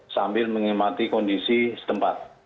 sambil menghemat kondisi setempat